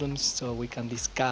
dengan masalah yang sama